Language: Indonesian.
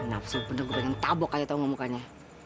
napsu bener gue pengen tabok aja tau ngomongkannya